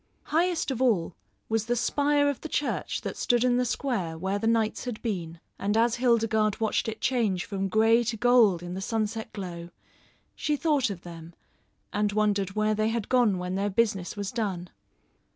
Highest of all was the spire of the church that stood in the square where the knights had been; and as Hildegarde watched it change from grey to gold in the sunset glow, she thought of them and wondered where they had gone when their business was done.